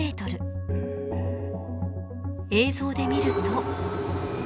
映像で見ると。